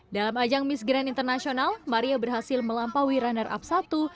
dalam ajang miss grand international maria berhasil melampaui runner up satu